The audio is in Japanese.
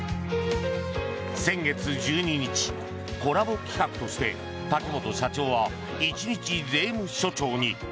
先月１２日、コラボ企画として竹本社長は一日税務署長に。